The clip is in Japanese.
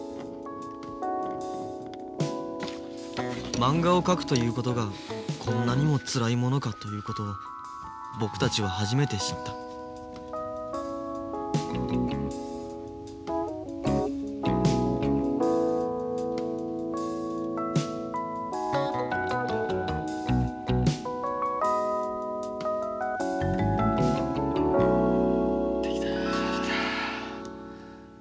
・まんがを描くということがこんなにもつらいものかということを僕たちは初めて知ったできた。